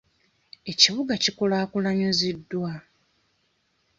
Ekibuga kikulaakulanyiziddwa.